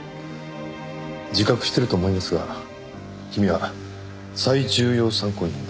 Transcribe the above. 自覚してると思いますが君は最重要参考人だ。